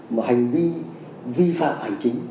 mà hành vi vi phạm hành trình